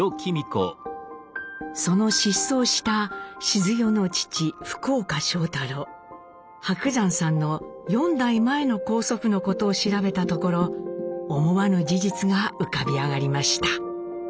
その失踪したシズヨの父福岡庄太郎伯山さんの４代前の高祖父のことを調べたところ思わぬ事実が浮かび上がりました。